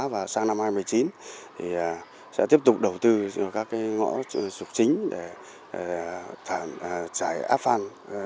và sang năm hai nghìn một mươi chín sẽ tiếp tục đầu tư các ngõ trục chính để trải áp phan